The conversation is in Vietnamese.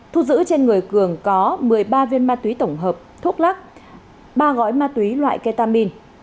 thu giữ trên người cường có một mươi ba viên ma túy tổng hợp thuốc lắc ba gói ma túy loại ketamin